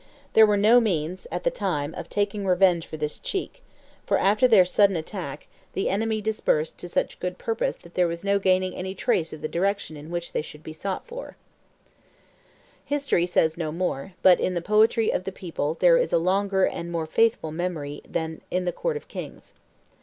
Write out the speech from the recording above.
There were no means, at the time, of taking revenge for this cheek; for after their sudden attack, the enemy dispersed to such good purpose that there was no gaining any trace of the direction in which they should be sought for." [Illustration: Death of Roland at Roncesvalles 227] History says no more; but in the poetry of the people there is a longer and a more faithful memory than in the court of kings.